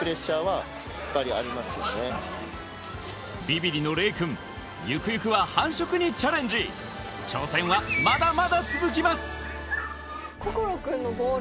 ビビりの令くんゆくゆくは繁殖にチャレンジ挑戦はまだまだ続きますんですけどそんなー